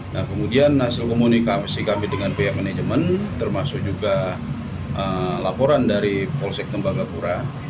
nah kemudian hasil komunikasi kami dengan pihak manajemen termasuk juga laporan dari polsek tembagapura